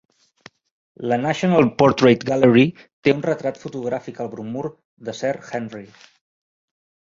La National Portrait Gallery té un retrat fotogràfic al bromur de Sir Henry.